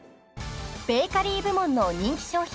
［ベーカリー部門の人気商品